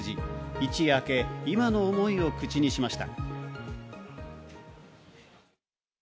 一夜明け、今の思いを口にしました。